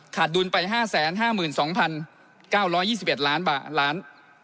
ขาดดุลไป๕๕๒๙๒๑ล้านบาท